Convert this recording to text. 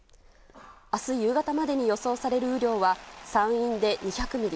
明日夕方までに予想される雨量は山陰で２００ミリ